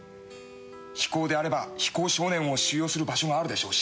非行であれば非行少年を収容する場所があるでしょう